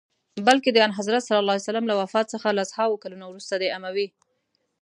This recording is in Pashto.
بلکه د آنحضرت ص له وفات څخه لس هاوو کلونه وروسته د اموي.